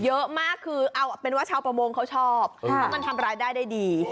เยอะมากคือเอาเป็นว่าชาวประมงเขาชอบเพราะมันทำรายได้ได้ดี